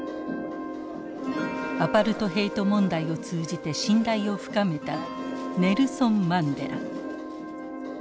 アパルトヘイト問題を通じて信頼を深めたネルソン・マンデラ。